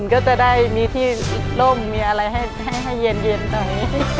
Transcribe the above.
๑๐๐๐๐ก็จะได้มีที่ล่มมีอะไรให้เย็นหน่อย